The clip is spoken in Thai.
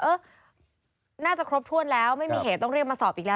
เออน่าจะครบถ้วนแล้วไม่มีเหตุต้องเรียกมาสอบอีกแล้ว